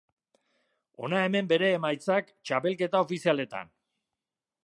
Hona hemen bere emaitzak txapelketa ofizialetan.